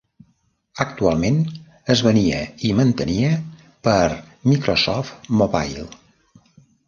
Actualment, es venia i mantenia per Microsoft Mobile.